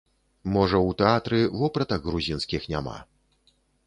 Можа, у тэатры вопратак грузінскіх няма.